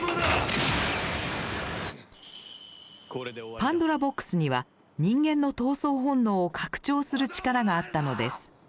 パンドラボックスには人間の闘争本能を拡張する力があったのです。